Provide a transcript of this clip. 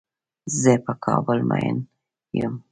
زۀ په کابل مين يم.